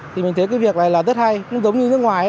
thì mình thấy cái việc này là rất hay cũng giống như nước ngoài